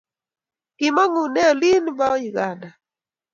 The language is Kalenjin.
Kimangune olini pa Uganda.